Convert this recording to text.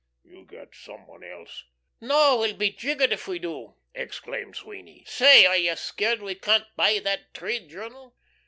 You get some one else." "No, we'll be jiggered if we do," exclaimed Sweeny. "Say, are ye scared we can't buy that trade journal?